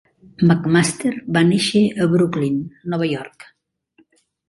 McMaster va néixer a Brooklyn, Nova York.